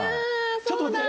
ちょっと待って！